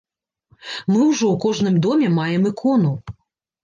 Мы ўжо ў кожным доме маем ікону.